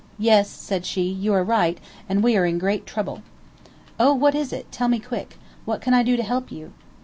"Yes," said she, "you are right, and we are in great trouble." "Oh, what is it? Tell me quick. What can I do to help you?"